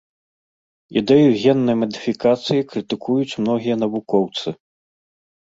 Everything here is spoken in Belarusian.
Ідэю геннай мадыфікацыі крытыкуюць многія навукоўцы.